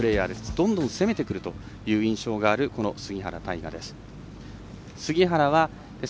どんどん攻めてくるという印象がある杉原大河です。